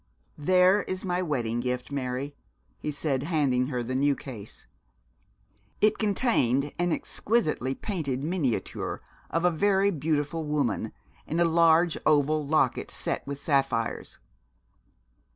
'There is my wedding gift, Mary,' he said, handing her the new case. It contained an exquisitely painted miniature of a very beautiful woman, in a large oval locket set with sapphires.